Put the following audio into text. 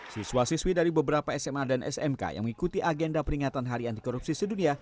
siswa siswi dari beberapa sma dan smk yang mengikuti agenda peringatan hari anti korupsi sedunia